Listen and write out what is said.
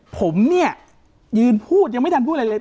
ผมเนี่ยยืนพูดยังไม่ทันพูดอะไรเลย